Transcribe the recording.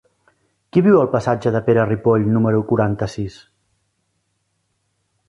Qui viu al passatge de Pere Ripoll número quaranta-sis?